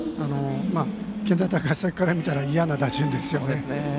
健大高崎から見たら嫌な打順ですよね。